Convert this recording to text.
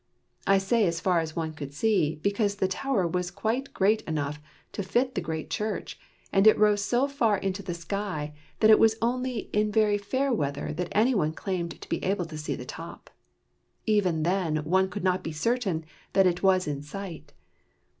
I say as far as one could see, because the tower was quite great enough to fit the great church, and it rose so far into the sky that it was only in very fair weather that any one claimed to be able to see the top. Even then one could not be certain that it was in sight.